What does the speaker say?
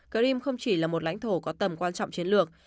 krem không chỉ là một lãnh thổ có tầm quan trọng chiến lược